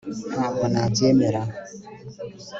ntabwo nabyemera